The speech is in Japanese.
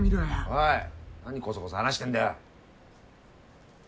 おい何コソコソ話してんだよ。